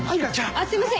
あっすいません